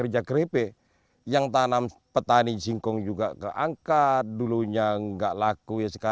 jadi nanti saya mau cakap